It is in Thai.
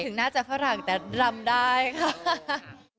ถึงน่าจะฝรั่งแต่รำได้ค่ะ